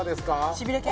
しびれ系？